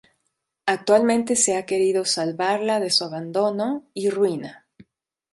Actualmente se ha querido salvarla de su abandono y ruina.